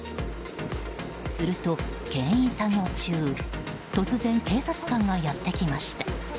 すると、牽引作業中突然、警察官がやってきました。